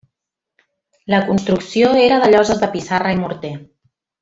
La construcció era de lloses de pissarra i morter.